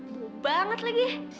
buat banget lagi